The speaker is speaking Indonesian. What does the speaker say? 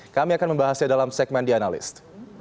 kami akan membahasnya dalam segmen the analyst